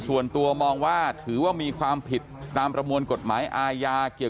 ส่วนตัวมองว่าถือว่ามีความผิดตามประมวลกฎหมายอาญาเกี่ยว